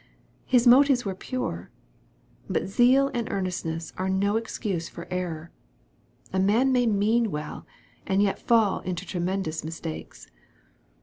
His motives were pure. But zeal and earnestness are no excuse for error A man may mean well and yet fall into tremen dous mistakes.